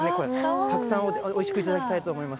たくさんおいしく頂きたいと思います。